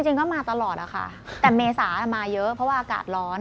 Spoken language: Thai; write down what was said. จริงก็มาตลอดอะค่ะแต่เมษามาเยอะเพราะว่าอากาศร้อน